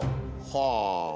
はあ！